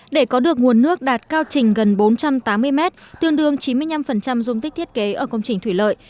để có được nguồn nước đạt cao trình gần bốn trăm tám mươi mét tương đương chín mươi năm dung tích thiết kế ở công trình thủy lợi